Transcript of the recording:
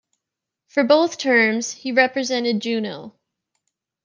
For both terms, he represented Juneau.